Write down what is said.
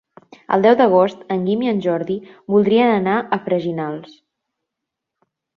El deu d'agost en Guim i en Jordi voldrien anar a Freginals.